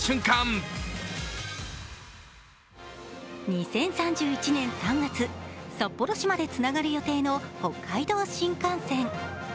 ２０３１年３月、札幌市までつながる予定の北海道新幹線。